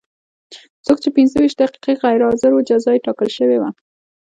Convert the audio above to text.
څوک چې پنځه ویشت دقیقې غیر حاضر و جزا یې ټاکل شوې وه.